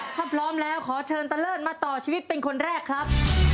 ถ้าพร้อมแล้วขอเชิญตะเลิศมาต่อชีวิตเป็นคนแรกครับ